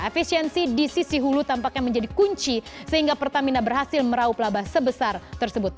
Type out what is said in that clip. efisiensi di sisi hulu tampaknya menjadi kunci sehingga pertamina berhasil meraup laba sebesar tersebut